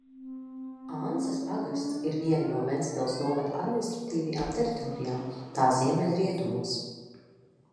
Ances pagasts ir viena no Ventspils novada administratīvajām teritorijām tā ziemeļrietumos.